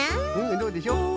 どうでしょう？